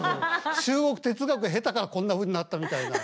中国哲学を経たからこんなふうになったみたいな。